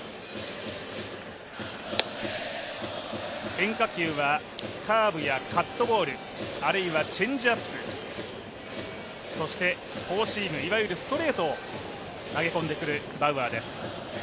変化球はカーブやカットボール、あるいはチェンジアップ、そしてフォーシーム、いわゆるストレートを投げ込んでくるバウアーです。